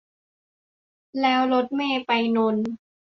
แล้วรถเมล์ไปนนท์